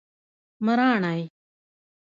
مراڼی